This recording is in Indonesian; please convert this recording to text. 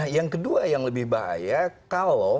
yang kedua yang lebih bahaya kalau